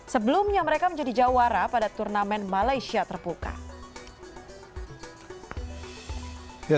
sebelumnya mereka menjadi jawara pada turnamen malaysia terbuka